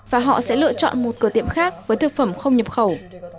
và họ sẽ lựa chọn một cửa tiệm khác với thực phẩm không nhập khẩu